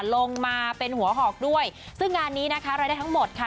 ลงมาเป็นหัวหอกด้วยซึ่งงานนี้นะคะรายได้ทั้งหมดค่ะ